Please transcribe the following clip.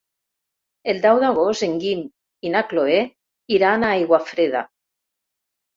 El deu d'agost en Guim i na Cloè iran a Aiguafreda.